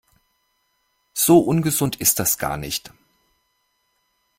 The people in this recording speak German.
So ungesund ist das gar nicht.